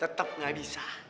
tetep ga bisa